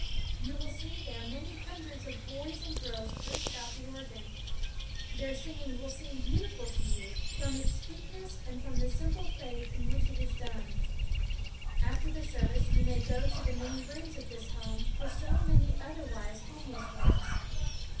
You will see there many hundreds of boys and girls grouped about the organ. Their singing will seem beautiful to you, from its sweetness and from the simple faith in which it is done. After the service you may go to the many rooms of this home for so many otherwise homeless ones.